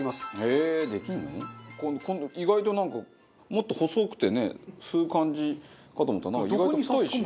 意外となんかもっと細くてね吸う感じかと思ったらなんか意外と太いし。